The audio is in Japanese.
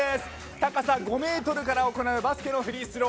高さ５メートルから行うバスケのフリースロー。